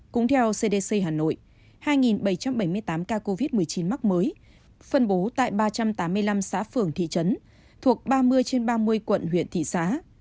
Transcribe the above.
cũng theo cdc hà nội hai bảy trăm bảy mươi tám ca covid một mươi chín mắc mới phân bố tại ba trăm tám mươi năm xã phường thị trấn thuộc ba mươi trên ba mươi quận huyện thị xã